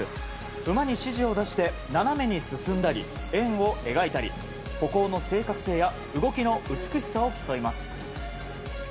馬に指示を出して斜めに進んだり円を描いたり歩行の正確性や動きの美しさを競います。